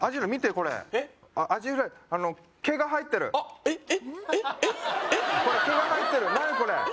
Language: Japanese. これ毛が入ってる何これ？